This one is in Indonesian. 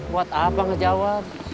buat apa ngejawab